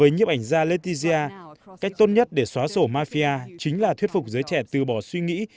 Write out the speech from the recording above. nhiếp ảnh gia letizia cách tốt nhất để xóa sổ mafia chính là thuyết phục giới trẻ từ bỏ suy nghĩ